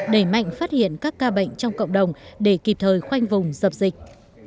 đẩy mạnh phát hiện các ca bệnh trong cộng đồng để kịp thời khoanh vùng dập dịch